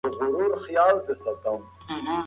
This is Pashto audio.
ځينې خلګ د قانون خلاف عمل کوي.